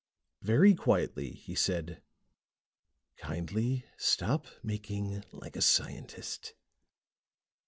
Very quietly, he said, "Kindly stop making like a scientist.